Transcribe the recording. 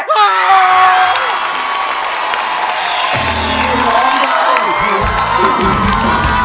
มามามา